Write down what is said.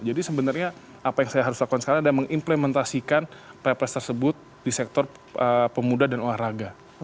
jadi sebenarnya apa yang saya harus lakukan sekarang adalah mengimplementasikan purpose tersebut di sektor pemuda dan olahraga